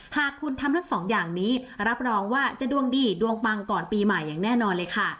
หากคุณทำทั้งสองอย่างนี้รับรองว่าจะดวงดีดวงปังก่อนปีใหม่อย่างแน่นอนเลยค่ะ